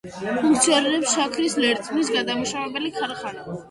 ფუნქციონირებს შაქრის ლერწმის გადამამუშავებელი ქარხანა.